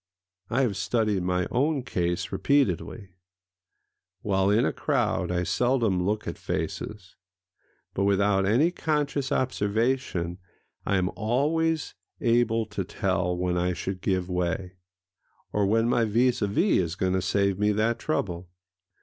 I have studied my own case repeatedly. While in a crowd I seldom look at faces; but without any conscious observation I am always able to tell when I should give way, [Pg 209] or when my vis Ó vis is going to save me that trouble.